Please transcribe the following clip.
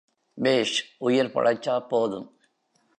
பேஷ் உயிர் பொழச்சா போதும்.